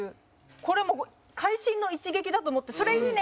これもう会心の一撃だと思ってそれいいね！